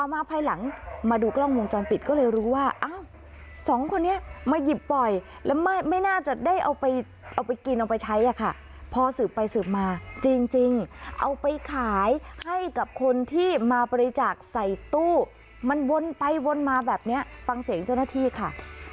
มาภายหลังมาดูกล้องวงจรปิดก็เลยรู้ว่าอ้าวสองคนนี้มาหยิบปล่อยแล้วไม่น่าจะได้เอาไปเอาไปกินเอาไปใช้อะค่ะพอสืบไปสืบมาจริงเอาไปขายให้กับคนที่มาบริจาคใส่ตู้มันวนไปวนมาแบบนี้ฟังเสียงเจ้าหน้าที่ค่ะ